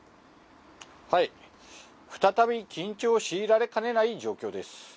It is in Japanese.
再び緊張を強いられかねない状況です。